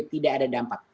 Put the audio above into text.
tidak ada dampak